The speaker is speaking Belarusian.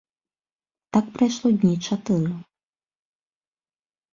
Так прайшло дні чатыры.